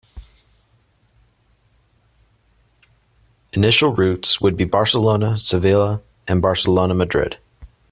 Initial routes would be Barcelona - Sevilla and Barcelona - Madrid.